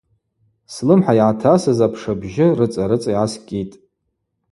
Слымхӏа йгӏатасыз апшабжьы рыцӏа-рыцӏа йгӏаскӏьитӏ.